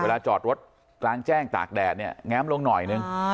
จอดรถกลางแจ้งตากแดดเนี่ยแง้มลงหน่อยนึง